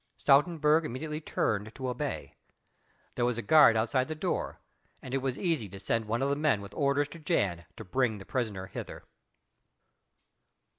Stoutenburg immediately turned to obey: there was a guard outside the door, and it was easy to send one of the men with orders to Jan to bring the prisoner hither.